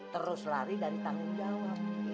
terus lari dari tanggung jawab